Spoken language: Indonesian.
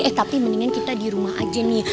eh tapi mendingan kita dirumah aja nih